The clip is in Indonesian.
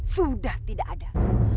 sudah tidak ada lagi